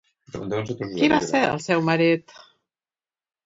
Qui va ser el seu marit?